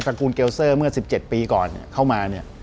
กูลเกลเซอร์เมื่อ๑๗ปีก่อนเข้ามาเนี่ย